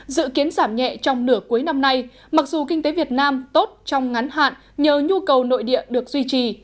dự kiến giảm nhẹ trong nửa cuối năm nay mặc dù kinh tế việt nam tốt trong ngắn hạn nhờ nhu cầu nội địa được duy trì